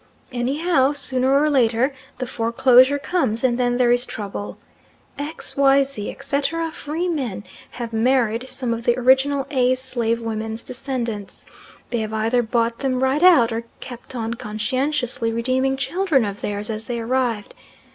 Anyhow, sooner or later the foreclosure comes and then there is trouble. X., Y., Z., etc., free men, have married some of the original A.'s slave woman's descendants. They have either bought them right out, or kept on conscientiously redeeming children of theirs as they arrived.